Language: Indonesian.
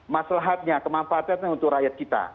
masalah hatnya kemampuan hatinya untuk rakyat kita